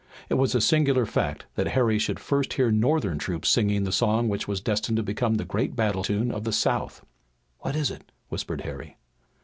It was a singular fact that Harry should first hear Northern troops singing the song which was destined to become the great battle tune of the South. "What is it?" whispered Harry.